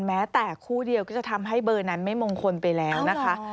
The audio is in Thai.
แม้แต่คู่เดียวก็จะทำให้เบอร์นั้นไม่มงคลไปแล้วนะคะ